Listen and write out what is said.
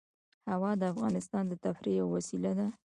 هوا د افغانانو د تفریح یوه وسیله ده.